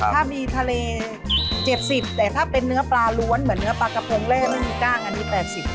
ถ้ามีทะเล๗๐แต่ถ้าเป็นเนื้อปลาล้วนเหมือนเนื้อปลากระพงเล่ไม่มีกล้างอันนี้๘๐บาท